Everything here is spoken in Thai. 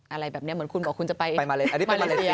อะไรแบบนี้เหมือนคุณบอกคุณจะไปมาเลเซีย